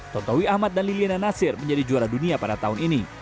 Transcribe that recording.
tontowi ahmad dan liliana nasir menjadi juara dunia pada tahun ini